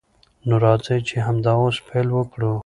نو راځئ چې همدا اوس پیل وکړو.